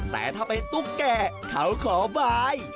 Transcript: แต่ถ้าเป็นตุ๊กแก่เขาขอบาย